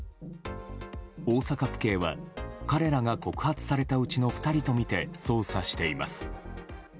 大阪府警は、彼らが告発されたうちの２人とみて捜査しています。